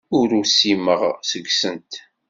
Ur usimeɣ seg-sent.